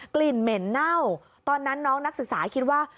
กลิ่นเหม็นเน่าตอนนั้นน้องนักศึกษาคิดว่า